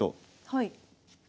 はい。